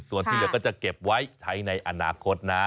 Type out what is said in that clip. ส่วนที่เหลือก็จะเก็บไว้ใช้ในอนาคตนะ